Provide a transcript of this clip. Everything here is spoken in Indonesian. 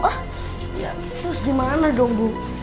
wah ya terus gimana dong bu